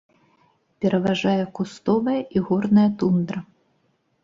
Пераважае кустовая і горная тундра.